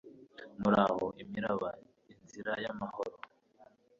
muraho, imiraba, inzira y'amahoro